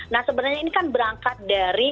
nah sebenarnya ini kan berangkat dari keresahan pekerjaan